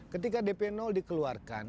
ketika dp dikeluarkan